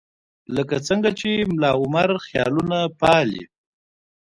لکه څنګه چې ملاعمر خیالونه پالي.